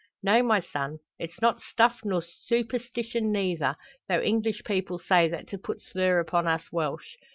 "No, my son; it's not stuff, nor superstition neyther; though English people say that to put slur upon us Welsh.